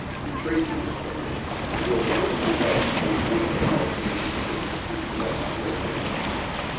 Retracing his course, he built a wooden redoubt near one of the mouths of the Mississippi to keep out the dreaded English.